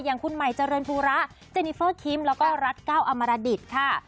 อย่างคุณใหม่เจริญภูระเจนิเฟอร์คิมแล้วก็รัฐก้าวอมรดิตค่ะ